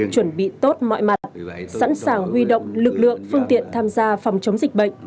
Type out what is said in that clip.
chuẩn bị tốt mọi mặt sẵn sàng huy động lực lượng phương tiện tham gia phòng chống dịch bệnh